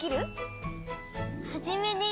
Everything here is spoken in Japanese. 「はじめに」